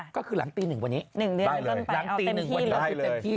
ก็คือหลังตี๑วันนี้